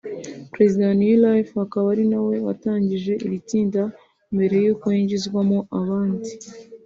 perezida wa New life akaba ari nawe watangije iri tsinda mbere y’uko hinjizwamo abandi